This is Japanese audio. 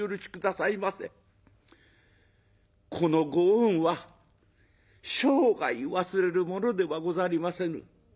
このご恩は生涯忘れるものではござりませぬ。